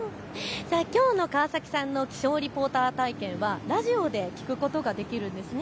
きょうの川崎さんの気象リポーター体験はラジオで聞くことができるんですよね。